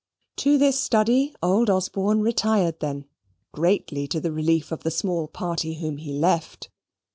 To this study old Osborne retired then, greatly to the relief of the small party whom he left.